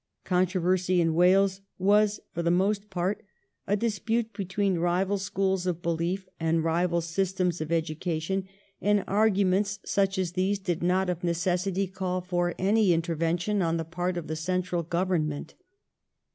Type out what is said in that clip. Controversy in Wales was for the most part a dispute between rival schools of belief and rival systems of education, and arguments such T 2 324 THE REIGN 0? QUEEN ANNE. oh. xxxvi. as these did not of necessity call for any intervention on the part of the central Government.